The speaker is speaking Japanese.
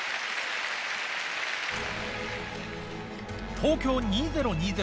東京２０２０